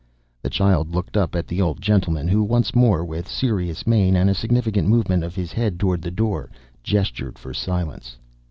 The child looked up at the old gentleman who once more, with serious mien and a significant movement of his head toward the door, gestured for silence.